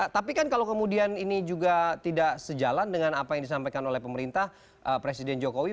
tapi kan kalau kemudian ini juga tidak sejalan dengan apa yang disampaikan oleh pemerintah presiden jokowi